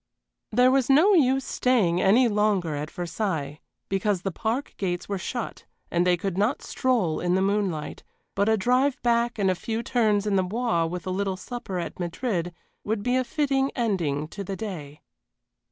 There was no use staying any longer at Versailles, because the park gates were shut and they could not stroll in the moonlight, but a drive back and a few turns in the Bois with a little supper at Madrid would be a fitting ending to the day.